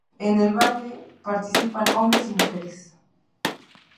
En el baile participan hombres y mujeres.